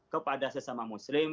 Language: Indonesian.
kepada sesama muslim